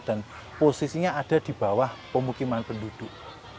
posisinya ada di bawah pemukiman penduduk